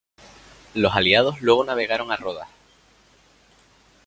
Los aliados luego navegaron a Rodas.